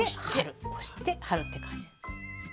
押して貼るって感じ。